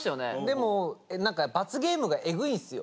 でも何か罰ゲームがえぐいんすよ。